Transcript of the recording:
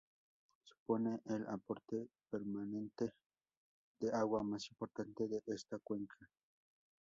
Supone el aporte permanente de agua más importante de esta cuenca.